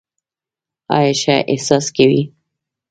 ایا ښه احساس کوئ؟